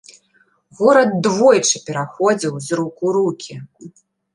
Горад двойчы пераходзіў з рук у рукі.